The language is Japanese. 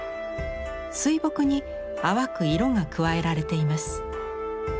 水墨に淡く色が加えられています。